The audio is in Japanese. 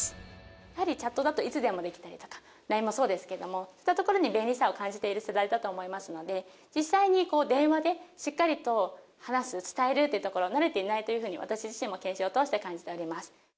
やはりチャットだといつでもできたりとか、ＬＩＮＥもそうですけども、そういったところに便利さを感じている世代だと思いますので、実際に電話でしっかりと話す、伝えるというところに慣れていないというふうに、私自身も研修を通して感じております。